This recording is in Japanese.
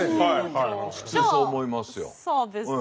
普通そう思いますよ。